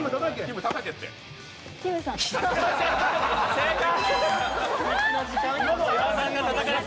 正解。